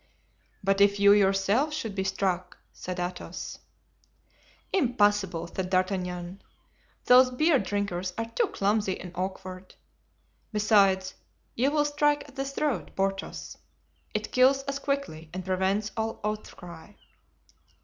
"But if you yourselves should be struck?" said Athos. "Impossible!" said D'Artagnan; "those beer drinkers are too clumsy and awkward. Besides, you will strike at the throat, Porthos; it kills as quickly and prevents all outcry."